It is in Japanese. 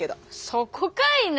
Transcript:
そこかいな。